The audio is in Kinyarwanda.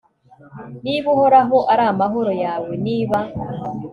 r/ niba uhoraho ari amahoro yawe, niba